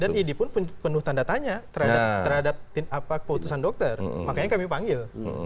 dan ini pun penuh tanda tanya terhadap keputusan dokter makanya kami panggil